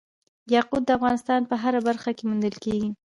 یاقوت د افغانستان په هره برخه کې موندل کېږي.